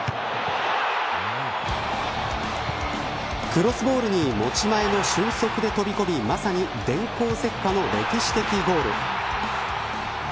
クロスボールに持ち前の俊足で飛び込みまさに電光石火の歴史的ゴール。